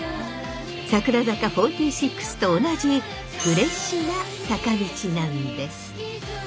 櫻坂４６と同じフレッシュな坂道なんです。